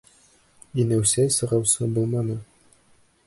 Инеүсе-сығыусы булманы.